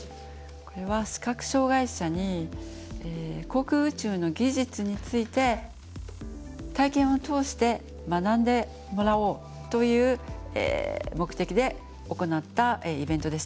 これは視覚障害者に航空宇宙の技術について体験を通して学んでもらおうという目的で行ったイベントでした。